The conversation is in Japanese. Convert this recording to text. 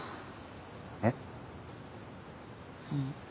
えっ？